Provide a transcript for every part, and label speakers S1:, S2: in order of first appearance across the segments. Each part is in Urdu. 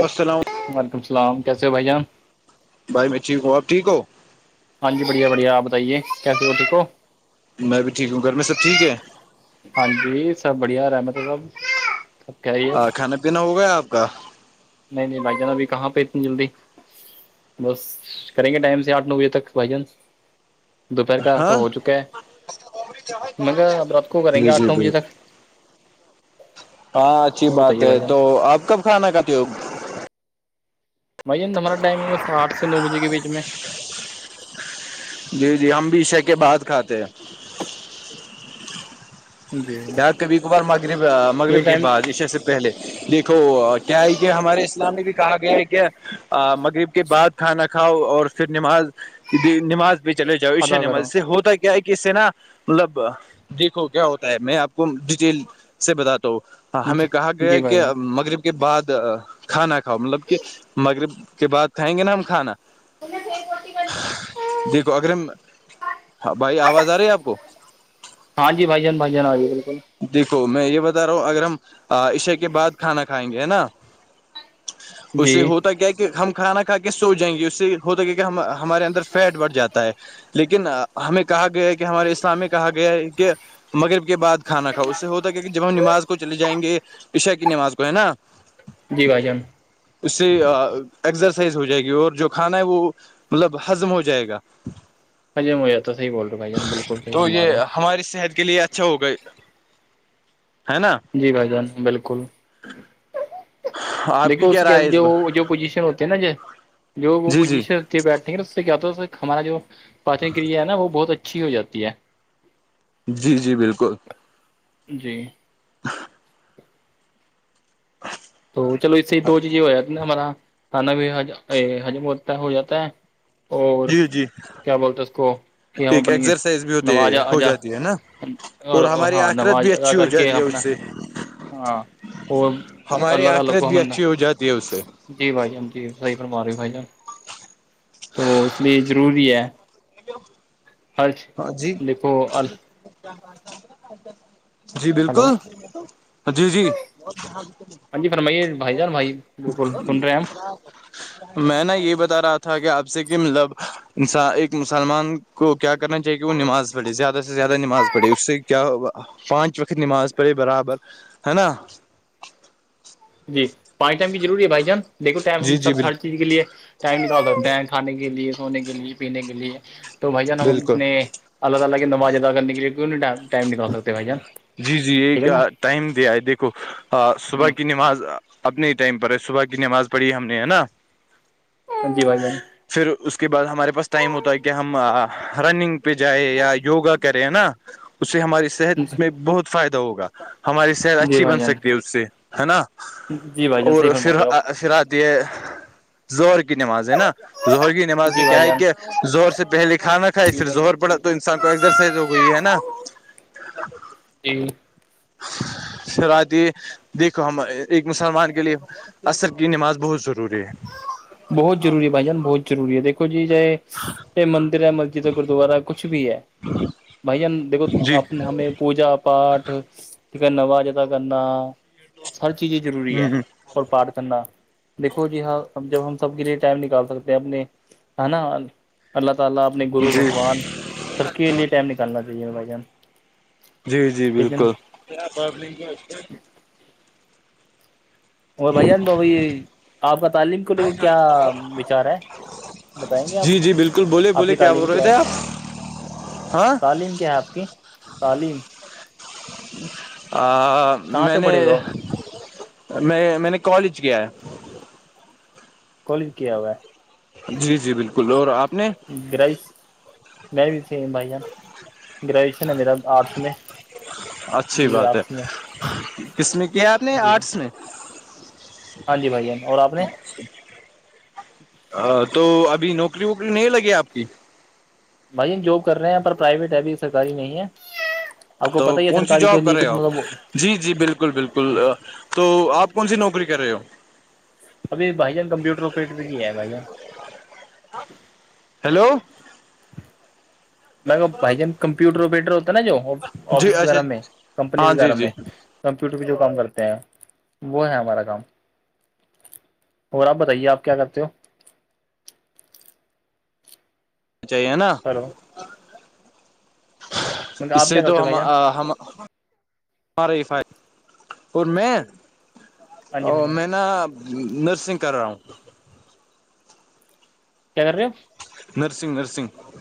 S1: بت نؤ
S2: وعلیکمسلام کیسے ہو بھائی جان
S1: بھائی میں ٹیک ہوں آپ ٹھیک ہو
S2: ہاں جی بڑھیا بھیا آپ بتائیے کیاسی ہو ٹھیک ہو
S1: میں بھی ٹھیک ہوں گھر میں سب ٹھیک ہے
S2: ہاں جی سب بڑھیا رحمت سب سب خیریت
S1: ہاں کھانا پینا ہوگیا آپ کا
S2: نہیں نہیں بھائی جان ابھی کہاں پہ اتنی جلدی بس کریں گے ٹائم سے آٹھ نو بجے تک بائی چانس دوپہر کا تو
S1: ہاں
S2: ہو چکا ہے مگا اب رات کو کریں گے
S1: جی
S2: آٹھ
S1: جی
S2: نو بجے تک
S1: بالکل ہاں اچھی
S2: اور
S1: بات
S2: بتائیے
S1: ہے
S2: بھائی جان
S1: تو آپ کب کھانا کھاتے ہو
S2: بھائی ج ہمارا ٹائم ہے بس آٹھ سے نو بجے کے بیچ میں
S1: جی جی ہم بھی عشے کے بعد کھاتے ہیں
S2: جی
S1: یار کبھی کبھار مغرب مغرب
S2: یہ
S1: کے
S2: ٹائم
S1: بعد ایشے سے پہلے دیکھ تو کیا ہے کہ ہمارے اسلام میں بھی کہا گیا ہے کیا مغرب کے بعد کھانا کھاؤ اور پھر نماز نماز چلے جاؤشے
S2: ادا کرو
S1: نعماز سے ہوتا کیا ہے کہ اس سے نا مطلب دیکھو کیا ہوتا ہے میں آپ کو ڈیٹیل سے بتاتا ہوں ہمیں
S2: جی
S1: کہا گیا
S2: جی
S1: ہے
S2: بھائی
S1: کہ
S2: جان۔
S1: مغرب کے بعد کھانا کھاؤ مطلب کہ مغرب کے بع کھائیں گے نا ہم کھانا
S2: ک س روٹی بنی [unintelligible] [inaudible]
S1: دیکھو اگرم بھائی آواز آ رہی ہے آپ کو
S2: ہاں ج بھائی جان بائی جان آ جی بالکل
S1: دیکھو میں یہ بتا رہا ہوں اگر ہم عشے کے بعد کھانا کھائیں گے ہے نا
S2: جی
S1: اسے ہوتا کیا کہ ہم کھانا کھا کے سو جائیں گے اس سے ہوتا کی کہ ہمارے اندر فیٹ بڑھ جاتا ہے لیکن ہمیں کہا گیا ہے کہ ہمارے اسلام میں کہا گیا ہے کہ مغرب کے بعد کھانا کھؤ اس سے ہوتا ہے کیا کہ جب ہم نماز کو چلے جائیں گے پشا کی نماز کو ہے نا
S2: جی بھ جان
S1: اس سے ایکسرسائز ہو جائے گی اور جو کھانا ہے وہ مطلب ہضم ہو جائے گا
S2: ہاںی میں یہیا توحی بول رہا ہ بھائی بالکلحی
S1: تو
S2: فرماے
S1: یہ
S2: ہو
S1: ہماری صحت کے لیے اچھے ہو گئے ہے نا
S2: جی بھائی جان بالکل
S1: آپ کی
S2: دیکھو اس کیا
S1: رائے ہے
S2: جو
S1: بار
S2: جو پوزیشن ہوتے ہے نا ج جو وہ
S1: جی جی
S2: پوزیشن بیٹھیں گے تو اس سے کیاتا ہے ہمارا جو پارچنگ کریا ہے نا وہ بہت اچھی ہو جاتی ہے
S1: جی جی بالکل
S2: جی تو چلو اس سے دو چیزیں ہو جاتی نا ہمارا کانا بھی حجم ہوتا ہے ہو جاتا ہے اور
S1: جی جی
S2: کیا بولتے اس کو کہ ہم
S1: ایک
S2: اپنی
S1: ایکسرسائز بھی ہوتی
S2: نماز
S1: ہو
S2: اجا
S1: جاتی ہے نا اور ہماری
S2: ہاں
S1: آخرت
S2: نماز
S1: بھی
S2: ادا
S1: اچھی ہو
S2: کر کے
S1: جاتی ہے اس
S2: اپنا
S1: سے
S2: ہاں وہ
S1: ہمارے آخرت بھی اچھی ہو جاتی ہے اس سے
S2: جی بھائی جان جی صی فما رہے ہو بھائی جان تو اس لیے ضروری ہے ہر
S1: ہاں جی
S2: دیکھو ہلو
S1: جی بالکل
S2: ہاں
S1: جی جی
S2: ہاں ج فرمائیے بھائی جان بھائی بالکل سن رہے ہیں ہم
S1: میں نا یہ بتا رہا تھا کہ آپ سے کہ مطلب انسا ایک مسلمان کو کیا کرنا چاہیے کہ وہ نماز پڑھے زیادہ سے زیادہ نماز پڑھے اس سے کیا پانچ وقت نماز پڑے برابر ہے نا
S2: جی پانچ ٹائم کی ضروری ہے بھائی جان دیکو ٹائم
S1: جی
S2: ہم
S1: جی
S2: سب تھر
S1: بالکل
S2: چیز کے لیے ٹائم نکال سکتے ہیں کھانے کے لیے سونے کے لیے پینے کے لیے تو بھ جان ہم
S1: بالکل
S2: اپنے اللہ تعالی کی نماز اد کرنے کےے کیوں نہیں ائم
S1: جی جی ایک
S2: نا
S1: ٹائم دیا ہے دیکھو صبح کی نماز ا اپنے ٹائم پر ہے صبح کی نماز پڑھی ہے ہم نے ہے نا
S2: ہاں جی بھائی
S1: پھر اس کے بعد ہمارے پاس ٹائم ہوتا ہے کہ ہم رننگ پہ جائیں یا یوگا کریں نا اس سے ہماری صحت میں بہت فائدہ ہوگا ہماری صحت
S2: جی
S1: اچھی
S2: بھائی
S1: بن
S2: جان
S1: سکتی ہے اس سے ہے نا
S2: جی بھائی جان صحیح
S1: اور سر
S2: فرما رہے ہو آپ
S1: سراج [unintelligible] یہ زہر کی نماز ہے نا زہر کی نماز میں
S2: جی
S1: کیا
S2: بھائی
S1: ہے
S2: جان
S1: کہ زہور سے پہلے کھانا کھائے
S2: جی
S1: پھر
S2: بھائی جان
S1: زہور پڑا
S2: صحیح
S1: تو انسان کو ایکسرسائز ہو گئی ہے نا
S2: جی
S1: شرعات دیکھو ہم ایک مسلمان کے لیے عصر کی نماز بہت ضروری ہے
S2: بہت روری ہے بھائی جان بہت ضوری ہے دیکو جی چاہے چے مندر ہے مسجد ہے گردوارا کچھ بھی ہے بھائی جان دیکھو
S1: جی
S2: آپ نے ہمیں پوجا پاٹ یک نو جدا کرنا ہر چیز ضروری
S1: ہ
S2: ہے
S1: ہ
S2: اور پٹ کرنا دیکھو جی ہاں جب ہم گرے ٹائر نکال سکتے ہیں اپنے نا اللہ تعالی اپنے گرو
S1: جی
S2: بھگوان تو عالم سے انسان سرکل لیے ائم نکنااہیے بائی چانس
S1: جی جی بالکل
S2: وہ بھائی جان تو بھائی آپ کا تعلیم کو لے کے کیا وچار ہے بتائیں گے
S1: جی جی بالکل بولے
S2: آپ
S1: بولے
S2: کی
S1: کیا
S2: تعلیم
S1: بول رہے
S2: ہے
S1: تھے آپ ہاں
S2: تعلیم کیا ہے آپ کی تعلیم کہاں
S1: میں
S2: تک
S1: نے
S2: پڑھے ہو
S1: میں میں نے کالج کیا ہے
S2: کالج کیا ہوا ہے
S1: جی جی بالکل اور آپ نے
S2: گرس [unintelligible] میں بھی سیم بھائی جان گریجویشن ہے میرا آرٹس میں
S1: اچھی
S2: بی اے
S1: بات ہے
S2: آرٹس میں
S1: کس میں کیا ہے آپ نے
S2: جی
S1: آرٹس میں
S2: ہاں ج بھائی جان اور آپ نے
S1: ا تو ابھی نوکری ووکری نہیں لگی آپ کی
S2: بھائی ہم جاب کر رہے ہیں پر پرائیویٹ ہے ابھی سرکاری نہیں ہے آپ کو
S1: تو
S2: پتہ ہی ہے
S1: کون سی
S2: سرکاری کے
S1: جاب کر
S2: لیے
S1: رہے ہو
S2: کتنا
S1: آپ جی جی بالکل بالکل بالکل تو آپ کون سی نوکری کر رہے ہو
S2: ابھی بھائی جان کمپیوٹر آوپریٹر کی ہے بھائی جان
S1: ہیلو
S2: میں بھائی جان کمپیوٹر وپیٹر ہوتا نا جو
S1: جی
S2: آفس
S1: اچھا
S2: وغیرہ میں کمپنی
S1: ہاں جی
S2: وغیرہ
S1: جی
S2: میں کمپیوٹر پہ جو کام کرتے ہیں وہ ہے ہمارا کام اور آپ بتائیے آپ کیا کرتے ہو
S1: چاہیے نا
S2: ہلو
S1: اس
S2: آپ
S1: سے
S2: کیا
S1: تو
S2: کرتے ہو
S1: ہم
S2: بھائی جان
S1: ہم فائی اور میں
S2: ہاں جی
S1: او
S2: بھائی جان
S1: میں ن نرسنگ کر رہا ہوں
S2: کیا کر رہے ہو
S1: نرسنگ نرسنگ [unintelligible]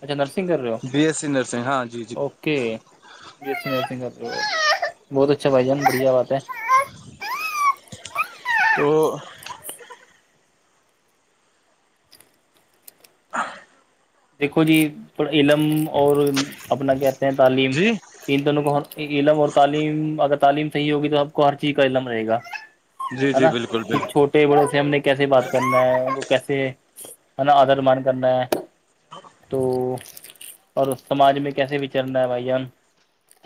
S2: اچھا نرسنگ کر رہے ہو
S1: بی ایس سی نرسنگ ہاں جی جی
S2: اوکے بہت اچھا بھائی جان بڑھیا بات ہے
S1: تو
S2: دیکھو جی علم اور اپنا کہتے ہیں تعلیم
S1: جی
S2: ان دونوں کو علم اور تعلیم اگر تعلیم صحیح ہوگی تو سب کو ہر چیز کا علم رہے گا
S1: جی
S2: ہے
S1: جی
S2: نا
S1: بالکل
S2: کہ
S1: بالکل
S2: چھوٹے بڑے سے ہم نے کیسے بات کرنا ہے کیسے ہے نا آدر مان کرنا ہے تو اور سماج میں کیسے وچرنا ہے بھائی جان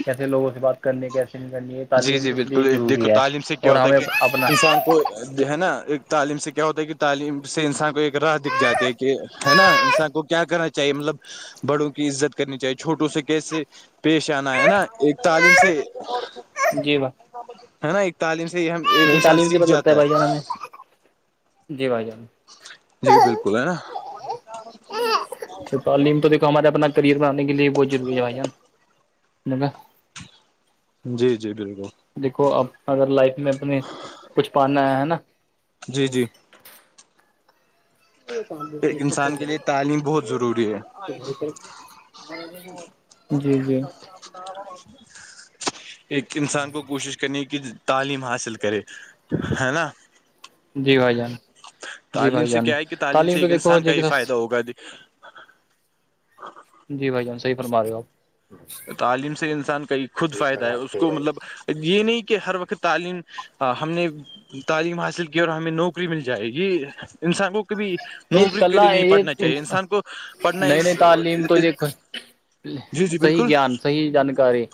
S2: کیسے لوگوں سے بات کرنی کیسے نہیں کرنی یہ
S1: جی
S2: تعلیم
S1: جی
S2: اس لیے
S1: بالکل دیکھو
S2: ضروری ہے
S1: تعلیم سے کیا
S2: اور
S1: ہوتا ہے
S2: ہمیں
S1: کہ
S2: اپنا
S1: انسان ہے نا ایک تعلیم سے کیا ہوتا ہے کہ تعلیم سے انسان کو ایک راہ دکھ جاتی ہے کہ ہے نا انسان کو کیا کرنا چاہیے مطلب بڑوں کی عزت کرنی چاہیے چھوٹوں سے کیسے پیش آنا ہے نا ایک تعلیم سے
S2: جی ب
S1: ہے نا ایک تعلیم سے ہم ایک انسان
S2: تعلیم سے
S1: سیکھ
S2: پت لگتا
S1: جاتا ہے
S2: بھائی جان ہمیں جی بھائی جان
S1: جی بالکل ہے نا آ
S2: تو تعلیم تو دیکھو ہمارا اپنا کریئر بنانے کے لیے بہت ضروری ہے بھائیا مگا
S1: جی جی بالکل
S2: دیکھو اپ اگر لائف میں اپنے کچھ پاننا ہے ہے نا
S1: جی جی
S2: کام ہو
S1: ایک
S2: اس پھر
S1: انسان کے لیے تعلیم بہت ضروری ہے
S2: بی جی جی
S1: ایک انسان کو کوشش کرنی ہے کہ تعلیم حاصل کرے ہے نا
S2: جی بھائی جان جی
S1: تعلیم
S2: بھائی جان تعلیم تو دیکھو ج کہ
S1: لوگد
S2: جی بھائی جان صحی فرم رہے ہو آپ
S1: تعلیم سے انسان کا یہ خود فائدہ ہے اس کو مطلب یہ نہیں کہ ہر وقت تعلیم ہم نے تعلیم حاصل کی اور ہمیں نوکری مل جائے یہ انسان کو بھی
S2: نہیں
S1: نوکری کے
S2: کل
S1: لیے نہیں
S2: یہ
S1: پڑھنا چاہیے انسان کو پڑھنا اس جی جی
S2: صیح
S1: بالکل
S2: جان صحیح جانکاری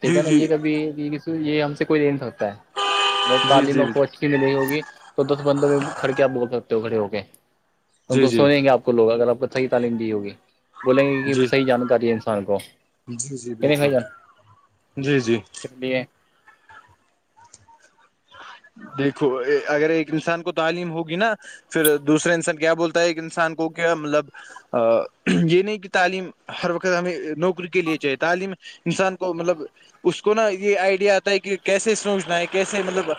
S2: ٹھیک
S1: جی
S2: ہے نا
S1: جی
S2: یہ کبھی یہ ہم سے کوئی لے نہیں سکتا ہے اگر
S1: جی
S2: تعلیم
S1: جی
S2: آپ کو اچھی ملی ہوگی تو دس پندرہ میں کھڑ کے آپ بول سکتے ہو کھڑے ہو کے ان
S1: جی
S2: کو
S1: جی
S2: سوچیں گے آپ کو لوگ اگر آپ کو صحیح تعلیم دی ہوگی بولیں گے کہ
S1: جی
S2: صحیح جانکاری ہے انسان کو
S1: جی جی
S2: نہیں بھائی
S1: بالکل
S2: جان
S1: جی جی
S2: اس لیے
S1: دیکھو اگر ایک انسان کو تعلیم ہوگی نا پھر دوسرے انسان کیا بولتا ہے ایک انسان کو کیا مطلب یہ نہیں کہ تعلیم ہر وقت ہمیں نوکری کے لیے چاہیے تعلیم انسان کو مطلب اس کو نا یہ آئیڈیا آتا ہے کہ کیسے سوچنا ہے کیسے مطلب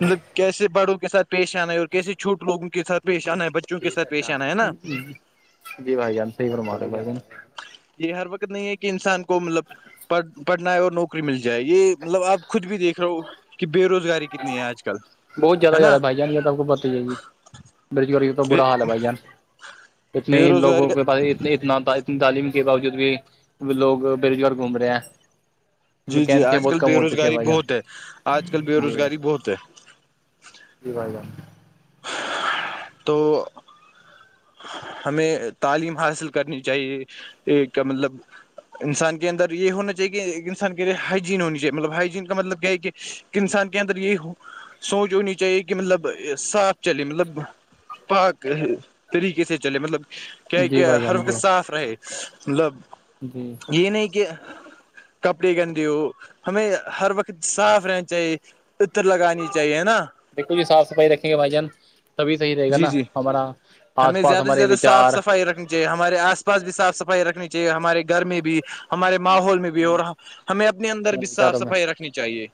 S1: مطلب کیسے بڑوں کے ساتھ پیش آنا ہے اور کیسے چھوٹوگوں کے سات پیش آنا ہے ب
S2: ھیک ہے جی بھائی جان صحی پرم رہے ب ن
S1: یہ ہر وقت نہیں ہے کہ انسان کو مطلب پڑ پڑھنا ہے اور نوکری مل جائے یہ مطلب آپ خود بھی دیکھ رہے ہو کہ بے روزگاری کتنی ہے آج کل
S2: بہت
S1: ہے
S2: زیادہیادا
S1: نا
S2: ہےھائی جان یہ تو آب کو پت ہی ہے جی بج تو
S1: بے
S2: برا حال ہے بھائی ار اتنے
S1: بے
S2: ہی لوگوں
S1: روزگاری
S2: کے پاس اتنا اتنی تعلیم کے باوجود بھی لوگ بے روزگار گھوم رہے ہیں
S1: جی جی
S2: ویکینسیاں
S1: آج
S2: بہت
S1: کل
S2: کم
S1: بے
S2: ہو چکی
S1: روزگاری
S2: بھائی
S1: بہت
S2: جان
S1: ہے آج کل بے
S2: جی
S1: روزگاری بہت ہے
S2: جی بھائی جان
S1: تو ہمیں تعلیم حاصل کرنی چاہیے ایک مطلب انسان کے اندر یہ ہونا چاہیے کہ انسان کےے ہائجین ہونی چاہیے مطلب ہائجین کا مطلب کیا ہے کہ انسان کے اندر یہی سوچ ہونی چاہیے کہ مطلب صاف چلے مطلب پاک طریقے سے چلے مطلب کیا
S2: جی
S1: کہ
S2: بھائی
S1: ہر
S2: جان
S1: وقت
S2: جی
S1: صاف رہے مطلب
S2: جی
S1: یہ نہیں کہ کپڑے گندے ہو ہمیں ہر وقت صاف رہنا چاہیے عطر لگانی چاہیے نا
S2: بالکل جی صاف صفائی رکھیں گے بھائی جان تبھی صحیح رہے گا
S1: جی
S2: نا
S1: جی
S2: ہمارا آس پاس ہمارے وچار
S1: س رکھنی چاہے ہمارے آس پاس بھی صاف صفائی رکھنی چاہیے ہمارے گھر میں بھی ہمارے ماحول میں بھی اور رہ ہمیں اپنے اندر بھی صاف صفائی رکھنی چاہیے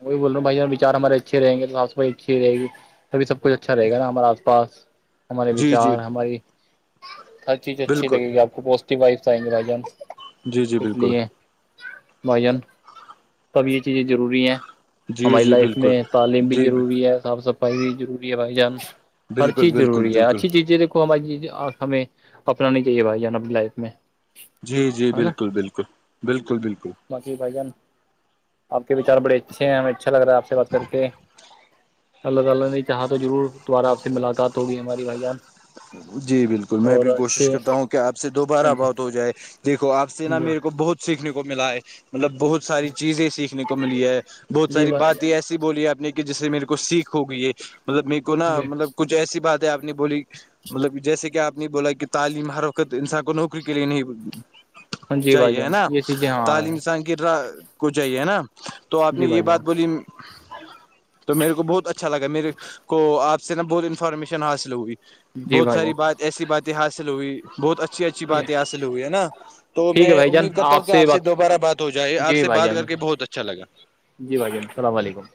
S2: ہ وہی بول رہا ہ بھائیارچار ہمارے اچھےیں گے توافائی اچھی ہی رہےی تبھی سب کچھ اچھا رہے گا نا ہمارے آس پاس ہمارے
S1: جی جی
S2: وچار ہماری ہر چیز اچھی
S1: بالکل
S2: لگے گی آپ کو پوازیٹیو وائفس آئیں گے بھائی جان
S1: جی جی
S2: اس
S1: بالکل
S2: لیے بھائی جان توب یہ چیزیں ضروری ہیں
S1: جی
S2: ہماری
S1: جی
S2: لائف
S1: بالکل
S2: میں تعلیم بھی
S1: جی
S2: ضروری ہے صاف صفائی بھی ضروری ہے بھائی جان ہر
S1: بالکل
S2: چیز
S1: بالکل
S2: ضروری ہے
S1: بالکل
S2: اچھی چیزیں دیکھو ہماری ہمیں اپنانی چاہیے بھائی جان ا لائف میں
S1: جی جی بالکل بالکل بالکل بالکل
S2: ماشی بھائی جان آپ کے وچار بڑے اچھے ہمیں اچھا لگ رہا ہے آپ سے بات کر کے اللہ تعالی نے چاہا تو ضرور تمہارا اپ سے ملاقات ہوگی ہماری بھائی جان
S1: جی بالکل میں
S2: اور
S1: بھی کوشش
S2: اچھے
S1: کرتا ہوں کہ آپ سے دوبارہ
S2: جی
S1: بات ہو جائے دیکھو آپ سے نا
S2: جی
S1: میرے کو بہت سیکھنے کو ملا ہے مطلب بہت ساری چیزیں سیکھنے کو ملی ہے بہت
S2: جی
S1: ساری
S2: بھائی
S1: باتیں ایسی بولی آ نے کہ جس سے میرے کو سیکھ ہو گئی ہے مطلب میرے کو نا
S2: جی
S1: مطلب کچھ ایسی بات ہے آپ نے بولی مطلب جیسے کہ آپ نے بولا کہ تعلیم ہر وقت انسان کو نوکری کے لیے نہیں
S2: ہاں جی بھائی
S1: چاہیے ہے
S2: جان
S1: نا
S2: یہ چیزیں
S1: تعلیم
S2: ہاں
S1: انسان کرا کوچ جاہے ہے نا تو آپ نے
S2: جی
S1: یہ
S2: بھائی
S1: بات
S2: جان
S1: بولی
S2: [unintelligible]
S1: تو میرے کو بہت اچھا لگا میرے کو آپ سے نا بہت انفارمیشن حاصل ہوئی
S2: جی
S1: بہت
S2: بھائی
S1: ساری
S2: جان
S1: بات ایسی باتیں حاصل ہوئی بہت اچھی اچھی
S2: جی
S1: باتیں حاصل ہوئی ہے نا تو
S2: ٹھیک
S1: میں
S2: ہے بھائی جان
S1: امید کرتا ہوں کہ آپ سے
S2: بات
S1: دوبارہ بات ہو جائے آپ
S2: جی
S1: سے
S2: بھائی
S1: بات
S2: جان
S1: کر کے بہت اچھا لگا
S2: جی وعیکم السلام علیکم